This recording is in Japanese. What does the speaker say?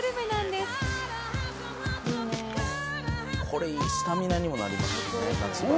「これいいスタミナにもなりますしね」